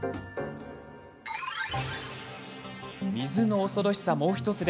水の恐ろしさ、もう１つ。